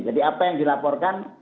jadi apa yang dilaporkan